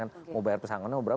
mau bayar pesanan mau berapa